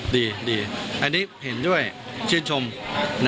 ดีอันนี้เห็นด้วยชื่นชม